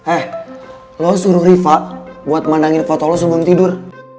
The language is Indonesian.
eh lo suruh rifa buat memandangin foto lo sebelum tidur